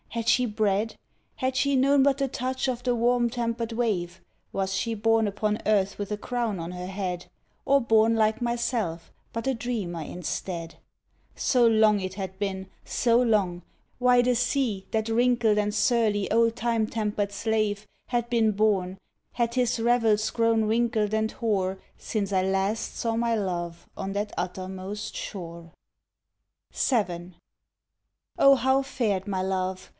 Had she bread? Had she known but the touch of the warm tempered wave? Was she born upon earth with a crown on her head; Or born like myself, but a dreamer, instead? So long it had been! So long! Why the sea, That wrinkled and surly old time tempered slave, Had been born, had his revels, grown wrinkled and hoar Since I last saw my love on that uttermost shore. VII. O, how fared my love?